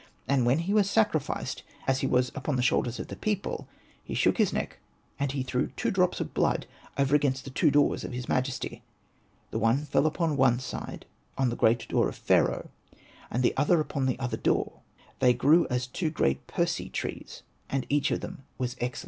And when he was sacrificed, as he was upon the shoulders of the people, he shook his neck, and he threw two drops of blood over against the two doors of his majesty. The one fell upon the one side, on the great door of Pharaoh, and the other upon the other door. They grew as two great Persea trees, and each of them was excellent.